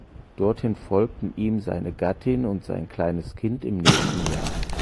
Dorthin folgten ihm seine Gattin und sein kleines Kind im nächsten Jahr.